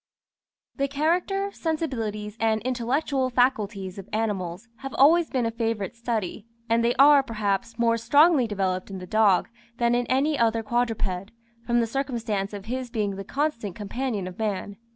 The character, sensibilities, and intellectual faculties of animals have always been a favourite study, and they are, perhaps, more strongly developed in the dog than in any other quadruped, from the circumstance of his being the constant companion of man.